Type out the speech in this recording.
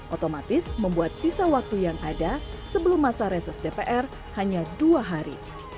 otomatis membuat sisa waktu yang ada sebelum masa reses dpr hanya dua hari